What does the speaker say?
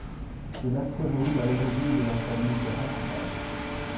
C'est l'astéroïde à l'origine de la famille de Rafita.